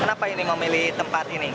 kenapa ini mau milih tempat ini